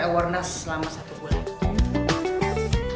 karena selama satu bulan